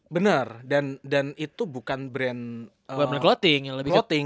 bener dan itu bukan brand clothing